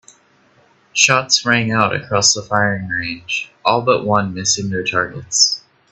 Shots rang out across the firing range, all but one missing their targets.